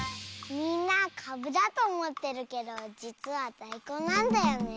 「みんなかぶだとおもってるけどじつはだいこんなんだよね」。